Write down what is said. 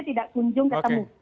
tidak kunjung ketemu